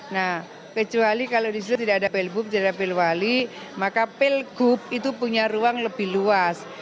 nah kecuali kalau di situ tidak ada pilbub tidak ada pilwali maka pilgub itu punya ruang lebih luas